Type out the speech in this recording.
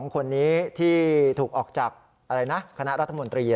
๒คนนี้ที่ถูกออกจากคณะรัฐมนตรี